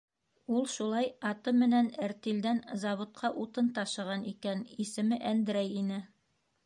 Ул шулай аты менән әртилдән заводҡа утын ташыған икән, исеме Әндрәй ине.